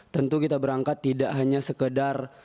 tentu kita berangkat tidak hanya sekedar